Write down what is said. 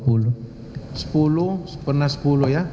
sepuluh pernah sepuluh ya